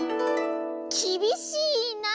「きびしいなあ。